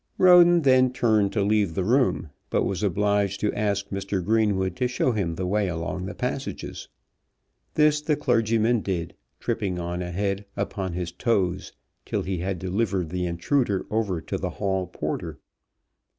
Roden then turned to leave the room, but was obliged to ask Mr. Greenwood to show him the way along the passages. This the clergyman did, tripping on, ahead, upon his toes, till he had delivered the intruder over to the hall porter.